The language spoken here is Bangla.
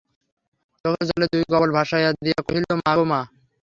চোখের জলে দুই কপোল ভাসাইয়া দিয়া কহিল, মা গো মা!